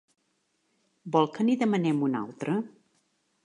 Vol que n'hi demanem una altra?